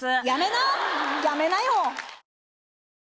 やめなよ！